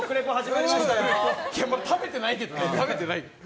食べてないけどね。